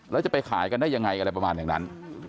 แล้วจะไปขายกันได้ยังไงอะไรประมาณอย่างนั้น